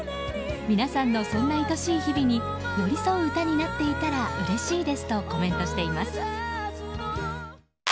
皆さんのそんな愛しい日々に寄り添う歌になっていたらうれしいですとコメントしています。